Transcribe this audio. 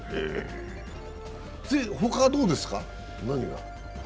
他はどうですか？